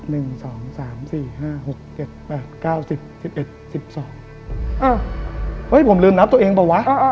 อ้าวเฮ้ยผมลืมนับตัวเองเปล่าวะ